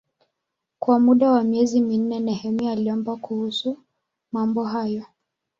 Kwa muda wa miezi minne Nehemia aliomba kuhusu mambo hayo.